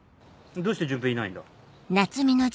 どうして潤平いないんだ？